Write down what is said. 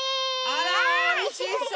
あらおいしそう！